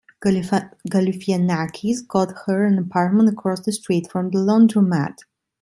Galifianakis got her an apartment across the street from the laundromat.